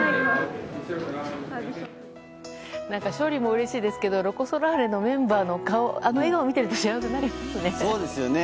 勝利もうれしいですけどロコ・ソラーレのメンバーのあの笑顔を見ていると幸せになりますよね。